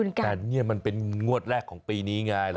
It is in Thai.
แต่นี่มันเป็นงวดแรกของปีนี้ไง